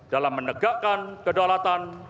dalam menegakkan kedaulatan